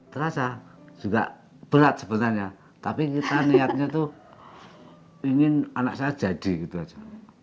terasa juga berat sebenarnya tapi kita niatnya tuh ingin anak saya jadi gitu aja